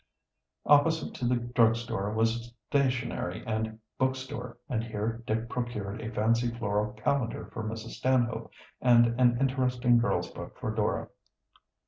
Opposite to the drug store was a stationery and book store, and here Dick procured a fancy floral calendar for Mrs. Stanhope and an interesting girl's book for Dora.